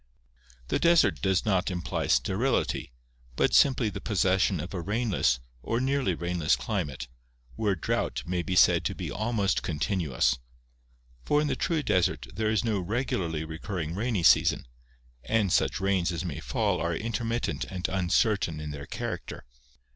The desert does not imply sterility, but simply the possession of a rainless, or nearly rainless climate, where drought may be said to be almost continuous; for in the true desert there is no regularly recurring rainy season, and such rains as may fall are intermittent and uncertain in their character.